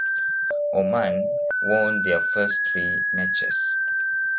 Oman won their first three matches.